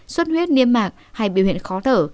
suất huyết niêm mạc hay biểu hiện khó thở